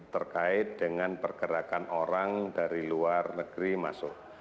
terkait dengan pergerakan orang dari luar negeri masuk